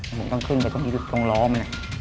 ผมต้องขึ้นไปตรงนี้ตรงล้อมเนี่ย